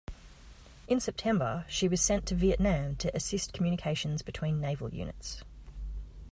In September, she was sent to Vietnam to assist communications between naval units.